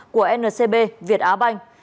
của ncb việt á bank